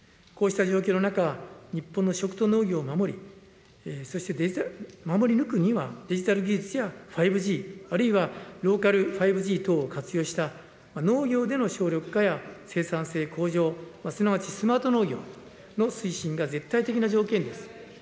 こうした状況の中、日本の食と農業を守り、そして守り抜くには、デジタル技術や５Ｇ、あるいはローカル５Ｇ等を活用した、農業での省力化や生産性向上、すなわちスマート農業の推進が絶対的な条件です。